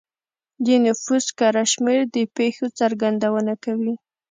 د نفوس کره شمېر د پېښو څرګندونه کوي.